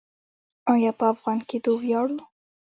آیا په افغان کیدو ویاړو؟